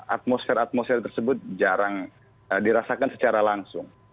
atmosfer atmosfer tersebut jarang dirasakan secara langsung